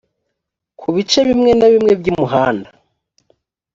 ku bice bimwe na bimwe by umuhanda